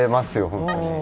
本当に。